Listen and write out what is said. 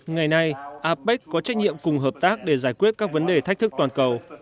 ngày nay apec có trách nhiệm cùng hợp tác để giải quyết các vấn đề thách thức toàn cầu